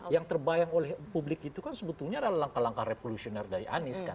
yang terbayang oleh publik itu kan sebetulnya adalah langkah langkah revolusioner dari anies kan